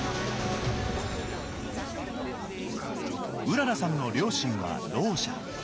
うららさんの両親はろう者。